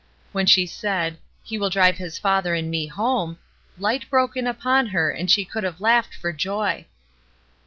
When she said, "He will drive his father and me home," light broke in upon her and she could have laughed for joy.